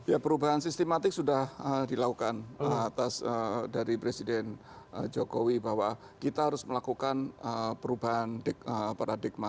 ya perubahan sistematik sudah dilakukan atas dari presiden jokowi bahwa kita harus melakukan perubahan paradigma